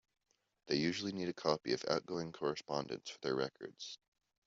They usually need a copy of outgoing correspondence for their records.